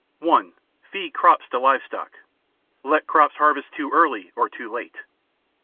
(1.) Feed crops to livestock. Let crops harvest too early or too late.